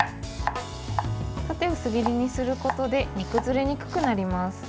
縦薄切りにすることで煮崩れにくくなります。